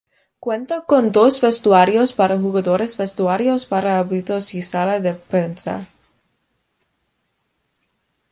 Cuenta con dos vestuarios para jugadores, vestuarios para árbitros y sala de prensa.